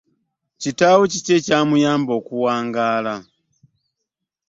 Kitaawo kiki ekyamuyamba okuwangaala?